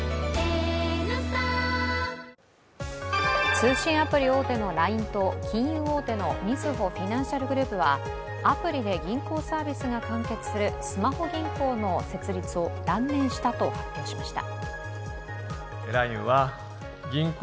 通信アプリ大手のＬＩＮＥと金融大手のみずほフィナンシャルグループはアプリで銀行サービスが完結するスマホ銀行の設立を断念したと発表しました。